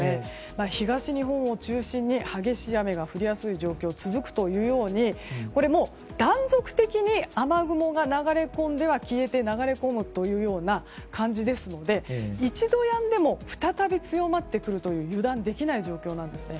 東日本を中心に激しい雨が降りやすい状況が続くというようにこれも断続的に雨雲が流れ込んでは消えて流れ込むというような感じですので一度やんでも再び強まってくるという油断できない状況なんです。